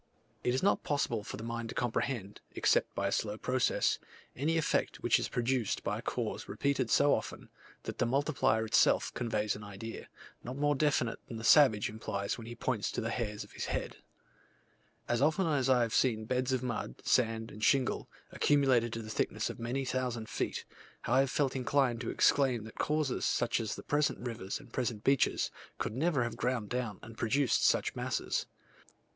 It is not possible for the mind to comprehend, except by a slow process, any effect which is produced by a cause repeated so often, that the multiplier itself conveys an idea, not more definite than the savage implies when he points to the hairs of his head. As often as I have seen beds of mud, sand, and shingle, accumulated to the thickness of many thousand feet, I have felt inclined to exclaim that causes, such as the present rivers and the present beaches, could never have ground down and produced such masses.